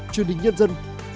truyền hình nhân dân